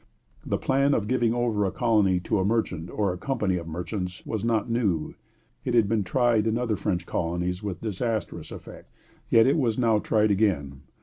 The plan of giving over a colony to a merchant, or a company of merchants, was not new. It had been tried in other French colonies with disastrous effect. Yet it was now tried again.